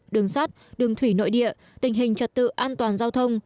đường sắt đường thủy nội địa tình hình trật tự an toàn giao thông